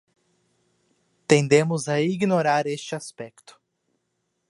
Tendemos a ignorar este aspecto